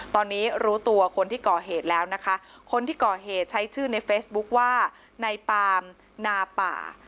ตอนนี้รู้ตัวคนที่ก่อเหตุแล้วนะคะคนที่ก่อเหตุใช้ชื่อในเฟซบุ๊คว่าในปามนาป่า